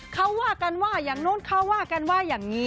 เขาว่ากันว่าอย่างนู้นเขาว่ากันว่าอย่างนี้